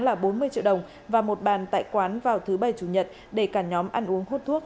là bốn mươi triệu đồng và một bàn tại quán vào thứ bảy chủ nhật để cả nhóm ăn uống hút thuốc